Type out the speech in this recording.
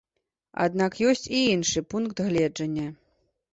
Аднак ёсць і іншы пункт гледжання.